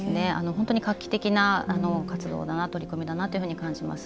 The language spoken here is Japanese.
本当に画期的な活動取り組みだなというふうに感じます。